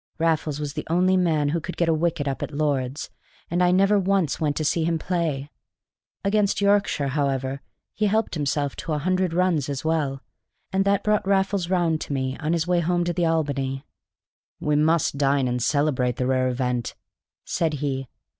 Raffles was the only man who could get a wicket up at Lord's, and I never once went to see him play. Against Yorkshire, however, he helped himself to a hundred runs as well; and that brought Raffles round to me, on his way home to the Albany. "We must dine and celebrate the rare event," said he.